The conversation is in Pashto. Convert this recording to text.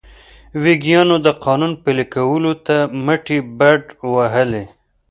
ویګیانو د قانون پلي کولو ته مټې بډ وهلې.